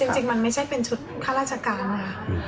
จริงมันไม่ใช่เป็นชุดข้าราชการนะคะ